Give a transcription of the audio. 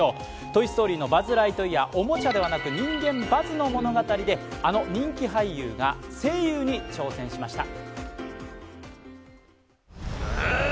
「トイ・ストーリー」の「バズ・ライトイヤー」、おもちゃ手はなく人間、バズの物語で、あの人気俳優が声優に挑戦しました。